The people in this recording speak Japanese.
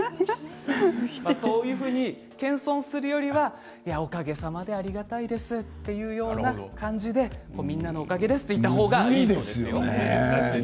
そういうふうに謙遜するよりはおかげさまでありがたいですというような感じでみんなのおかげですと言った方がいいそうですよ。